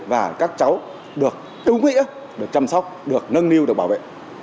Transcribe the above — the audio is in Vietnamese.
và các cháu được đúng ý được chăm sóc được nâng niu được bảo vệ